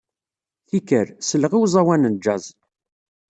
Tikkal, selleɣ i uẓawan n jazz.